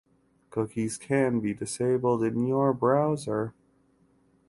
Cookies can be disabled in your browser.